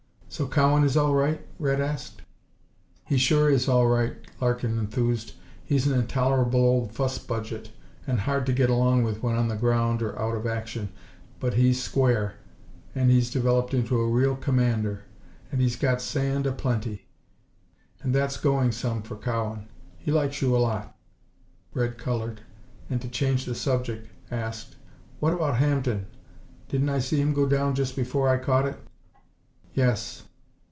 "So Cowan is all right?" Red asked. "He sure is all right," Larkin enthused. "He's an intolerable old fuss budget and hard to get along with when on the ground or out of action, but he's square, he's developed into a real commander, and he's got sand a plenty. He's coming down to see you to morrow and that's going some for Cowan. He likes you a lot." Red colored, and to change the subject, asked, "What about Hampden? Didn't I see him go down just before I caught it?" "Yes.